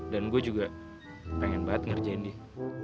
dan gue juga pengen banget ngerjain dia